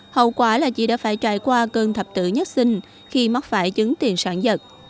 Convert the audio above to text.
hậu quả là chị đã phải trải qua cơn thập tử nhất sinh khi mắc phải chứng tiền sản dật